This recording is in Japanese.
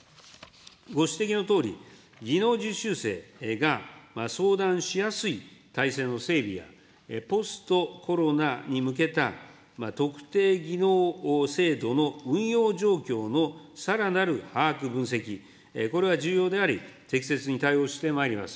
ご指摘のとおり、技能実習生が相談しやすい体制の整備や、ポストコロナに向けた特定技能制度の運用状況のさらなる把握分析、これは重要であり、適切に対応してまいります。